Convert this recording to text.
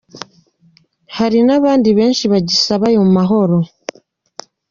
Hari n’abandi benshi bagisaba ayo mahoro.